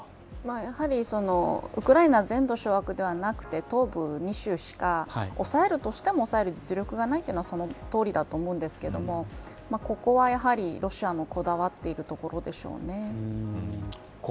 やはりウクライナ全土掌握ではなくて東部２州しか押さえるとしても押さえる実力がないのはそのとおりだと思うんですけどここはやはりロシアもこだわっているところでしょうね。